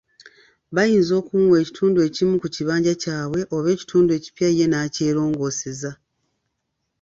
Bayinza okumuwa ekitundu ekimu ku kibanja kyabwe, oba ekitundu ekipya ye n'akyeroongooseza.